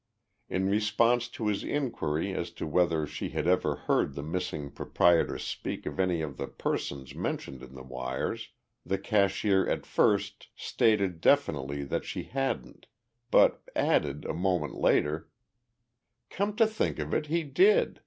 In response to his inquiry as to whether she had ever heard the missing proprietor speak of any of the persons mentioned in the wires, the cashier at first stated definitely that she hadn't, but added, a moment later: "Come to think of it, he did.